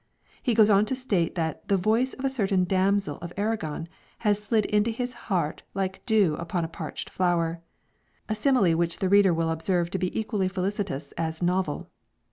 He goes on to state that the "voice of a certain damsel of Arragon has slid into his heart like dew upon a parched flower" a simile which the reader will observe to be equally felicitous as novel.